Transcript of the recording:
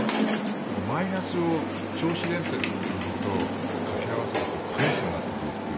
だからマイナスを銚子電鉄というものとかけ合わせるとプラスになってくるという。